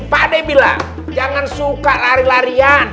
pak ade bilang jangan suka lari larian